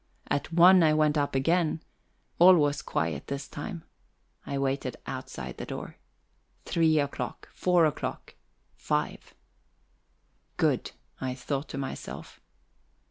At one I went up again; all was quiet this time. I waited outside the door. Three o'clock, four o'clock, five. Good, I thought to myself.